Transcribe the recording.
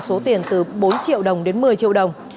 số tiền từ bốn triệu đồng đến một mươi triệu đồng